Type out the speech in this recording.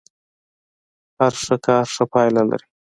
هر ښه کار ښه پايله لري.